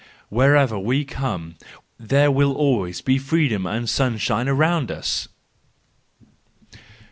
Wherever we come, there will always be freedom and sunshine around us.